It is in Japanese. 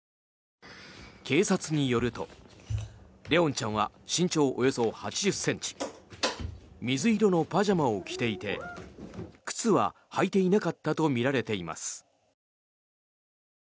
警察によると怜音ちゃんは身長およそ８０ｃｍ水色のパジャマを着ていて靴は履いていなかったとみられています。